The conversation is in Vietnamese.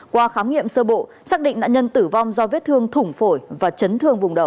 qua khám nghiệm sơ bộ xác định nạn nhân tử vong do vết thương thủng phổi và chấn thương vùng đầu